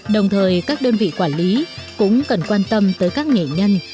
đồng thời các đơn vị quản lý cũng cần quan tâm tới các nghệ nhân